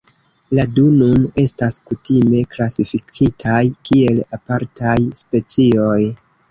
La du nun estas kutime klasifikitaj kiel apartaj specioj.